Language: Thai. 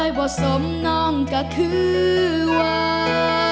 ไอบอสมนองก็คือว่า